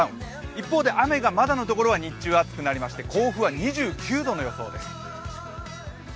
一方で雨がまだのところは日中暑くなりまして、甲府は２９度の予想です。